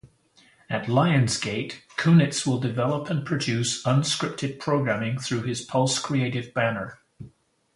At Lionsgate, Kunitz will develop and produce unscripted programming through his Pulse Creative banner.